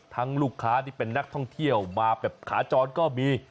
ลูกค้าที่เป็นนักท่องเที่ยวมาแบบขาจรก็มี